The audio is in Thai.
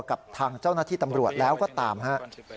กับทางเจ้าหน้าที่ตำรวจแล้วก็ตามฮะ